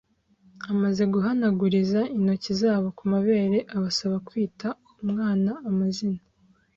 amaze guhanaguriza intoki zabo ku mabere abasaba kwita umwana amazina